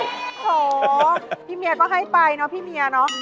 โอ้โหพี่เมียก็ให้ไปเนอะพี่เมียเนอะ